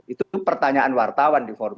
itu pertanyaan wartawan di forum